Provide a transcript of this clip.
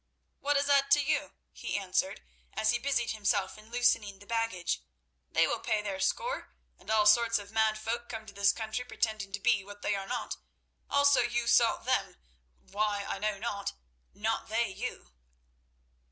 "What is that to you?" he answered, as he busied himself in loosening the baggage. "They will pay their score, and all sorts of mad folk come to this country, pretending to be what they are not. Also you sought them—why, I know not—not they you."